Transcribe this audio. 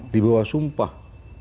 di bawah sumpah